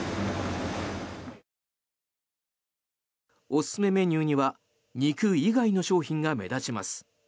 おすすめメニューには肉以外の商品が目立ちます。